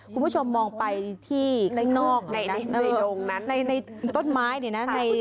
คุณผู้ชมมองไปที่ข้างนอกในต้นไม้นี่นะ